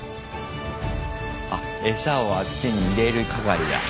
あエサをあっちに入れる係だ。